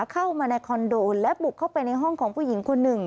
เข้ามาในคอนโดและบุกเข้าไปในห้องของผู้หญิงคนหนึ่ง